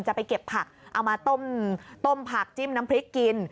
จะไปเก็บผักเอามาต้มต้มผักจิ้มน้ำพริกกิน